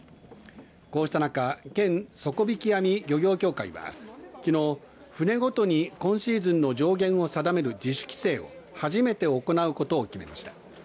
こうした中県底曳網漁業協会はきのう、船ごとに今シーズンの上限を定める自主規制を初めて行うことを決めました。